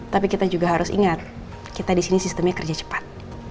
tapi kita juga harus ingat kita di sini sistemnya kerja cepat